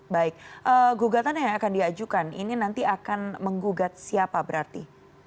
baik gugatan yang akan diajukan ini nanti akan menggugat siapa berarti